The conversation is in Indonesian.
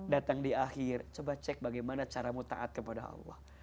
datang di akhir coba cek bagaimana caramu taat kepada allah